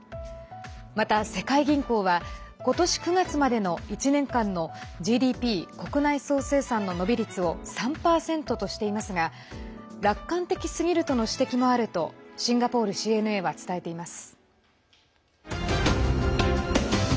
また世界銀行は今年９月までの１年間のＧＤＰ＝国内総生産の伸び率を３％としていますが楽観的すぎるとの指摘もあるとシンガポールＣＮＡは伝えています。